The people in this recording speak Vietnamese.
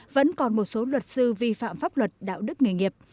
vẫn còn một số luật sư vi phạm pháp luật đạo đức nghề nghiệp